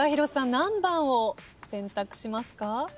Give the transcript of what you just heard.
何番を選択しますか？